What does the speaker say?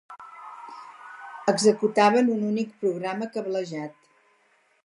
Executaven un únic programa cablejat.